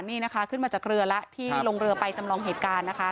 นี่นะคะขึ้นมาจากเรือแล้วที่ลงเรือไปจำลองเหตุการณ์นะคะ